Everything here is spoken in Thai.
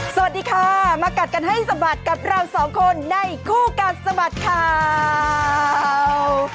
สวัสดีค่ะมากัดกันให้สะบัดกับเราสองคนในคู่กัดสะบัดข่าว